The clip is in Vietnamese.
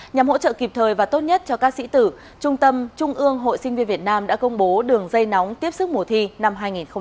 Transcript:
nhằm hỗ trợ kịp thời và tốt nhất cho ca sĩ tử trung tâm trung ương hội sinh viên việt nam đã công bố đường dây nóng tiếp xúc mùa thi năm hai nghìn một mươi chín